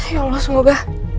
ya allah semoga